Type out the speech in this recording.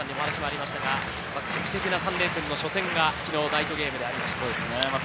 劇的な３連戦の初戦が昨日ナイトゲームでありました。